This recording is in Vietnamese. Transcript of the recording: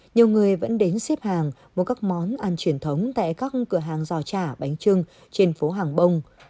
nhiều người vẫn đến xếp hàng mua các món ăn truyền thống tại các cửa hàng giò chả bánh trưng trên phố hàng bông